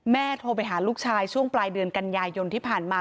โทรไปหาลูกชายช่วงปลายเดือนกันยายนที่ผ่านมา